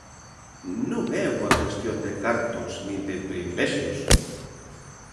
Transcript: Non é unha cuestión de cartos nin de privilexios.